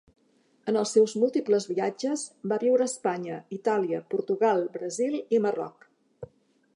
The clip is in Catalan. En els seus múltiples viatges va viure a Espanya, Itàlia, Portugal, Brasil i Marroc.